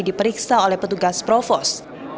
diperiksa oleh petugas provos